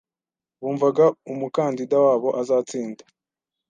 Bumvaga umukandida wabo azatsinda